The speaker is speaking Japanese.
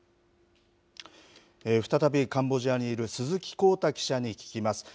再びカンボジアにいる鈴木康太記者に聞きます。